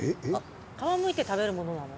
皮をむいて食べるものなの？